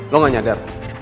lo gak nyadar